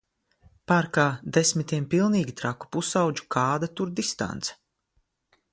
Parkā desmitiem pilnīgi traku pusaudžu, kāda tur distance.